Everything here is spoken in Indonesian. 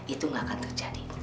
itu gak akan terjadi